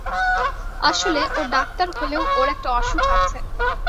আসলে, ও ডাক্তার হলেও ওর একটা অসুখ আছে।